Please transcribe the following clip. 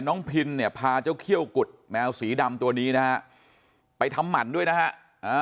พินเนี่ยพาเจ้าเขี้ยวกุดแมวสีดำตัวนี้นะฮะไปทำหมั่นด้วยนะฮะ